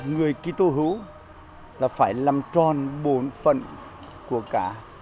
người ký tô hữu là phải làm tròn bốn phần của cả